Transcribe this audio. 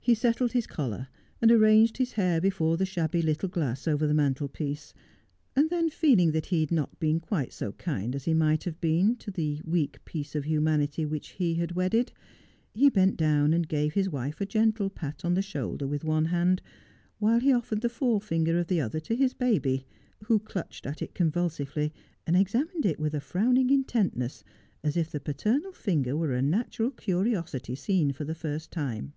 He settled his collar, and arranged his hair before tie shabby little glass over the mantelpiece ; and then, feeling that he had not been quite so kind as he might have been to the weak piece of humanity which he had wedded, he bent down and gave his wife a gentle pat on the shoulder with one hand, while he offered the forefinger of the other to his baby, who clutched at it convulsively and examined it with a frowning intentness, as if Poor Lucy. 169 the paternal finger were a natural curiosity seen for the first time.